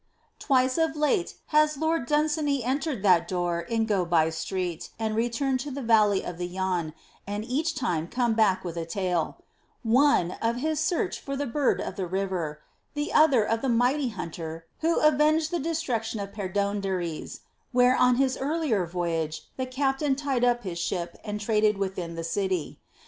Twice of late has Lord Dunsany entered that door in Go by Street and returned to the Valley of the Yann and each time come back with a tale; one, of his search for the Bird of the River, the other of the mighty hunter who avenged the destruction of Perdóndaris, where on his earlier voyage the captain tied up his ship and traded within the city.